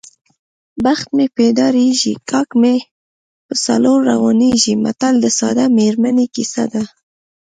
بخت مې پیدارېږي کاک مې په څلور روانېږي متل د ساده میرمنې کیسه ده